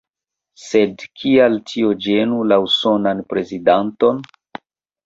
Sed kial tio ĝenu la usonan prezidanton?